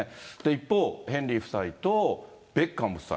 一方、ヘンリー夫妻とベッカム夫妻。